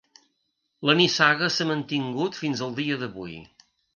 La nissaga s'ha mantingut fins al dia d'avui.